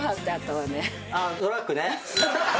あっドラッグね。